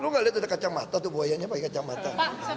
lu gak lihat ada kacamata tuh buayanya pakai kacamata